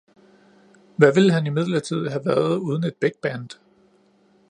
Hvad ville han imidlertid have været uden et bigband?